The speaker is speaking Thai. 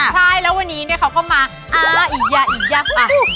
ใช่แล้ววันนี้เขาเข้ามาอ่าอียาอียาหอกหอก